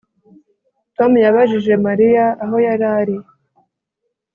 Tom yabajije Mariya aho yari ari